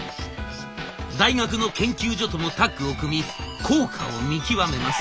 大学の研究所ともタッグを組み効果を見極めます。